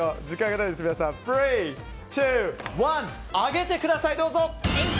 上げてください、どうぞ！